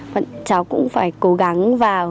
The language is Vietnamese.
bọn cháu cũng phải cố gắng